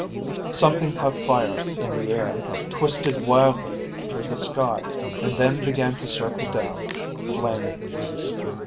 Something caught fire in the air, twisted wildly through the sky, and then began to circle down, flaming.